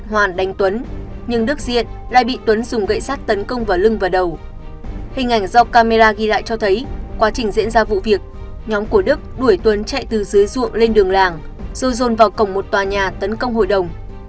hình ảnh do camera ghi lại cho thấy quá trình diễn ra vụ việc nhóm của đức đuổi tuấn chạy từ dưới ruộng lên đường làng rồi rôn vào cổng một tòa nhà tấn công hội đồng